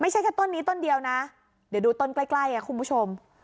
แค่ต้นนี้ต้นเดียวนะเดี๋ยวดูต้นใกล้คุณผู้ชม